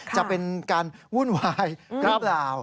จะเป็นการวุ่นวายหรือเปล่า